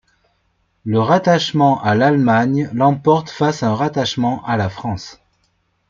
Le rattachement à l'Allemagne l'emporte face à un rattachement à la France.